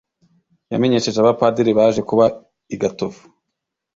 yamenyesheje abapadiri baje kuba i gatovu